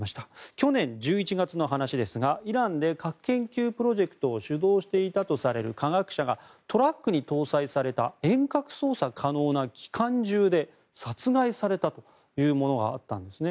去年１１月の話ですがイランで核研究プロジェクトを主導していたとされる科学者がトラックに搭載された遠隔操作可能な機関銃で殺害されたというものがあったんですね。